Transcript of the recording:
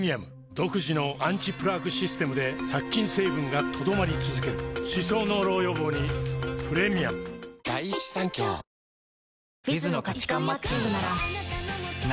独自のアンチプラークシステムで殺菌成分が留まり続ける歯槽膿漏予防にプレミアム・あっ！